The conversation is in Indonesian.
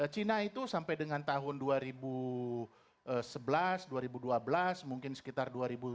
cina itu sampai dengan tahun dua ribu sebelas dua ribu dua belas mungkin sekitar dua ribu tujuh belas